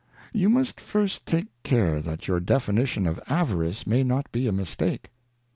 You must first take care that your Definition of Avarice may not be a Mistake.